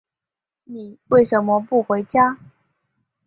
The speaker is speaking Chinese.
你为什么不回家？